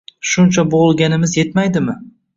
Shuncha boʻgʻilganimiz yetmaydimi?